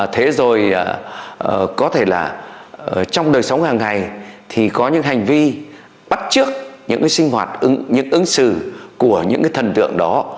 thế rồi có thể là trong đời sống hàng ngày thì có những hành vi bắt trước những cái sinh hoạt những ứng xử của những cái thần tượng đó